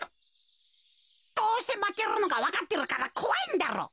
どうせまけるのがわかってるからこわいんだろ。